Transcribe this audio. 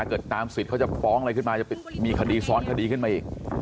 เกิดตามสิทธิ์เขาจะฟ้องอะไรขึ้นมาจะมีคดีซ้อนคดีขึ้นมาอีก